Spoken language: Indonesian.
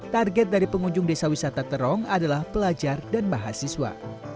target dari pengunjung desa wisata terong adalah pelajar dan mahasiswa